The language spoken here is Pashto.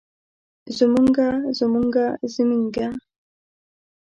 زمونږه زمونګه زمينګه